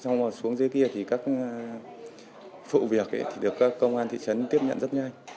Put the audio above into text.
xong rồi xuống dưới kia thì các vụ việc thì được các công an thị trấn tiếp nhận rất nhanh